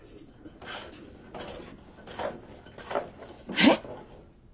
・えっ？